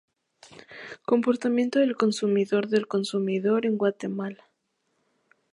Comportamiento del consumidor del consumidor en guatemala